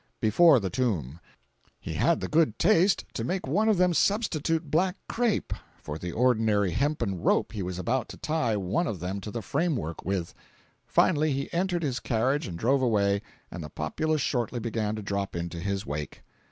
] before the tomb. He had the good taste to make one of them substitute black crape for the ordinary hempen rope he was about to tie one of them to the frame work with. Finally he entered his carriage and drove away, and the populace shortly began to drop into his wake.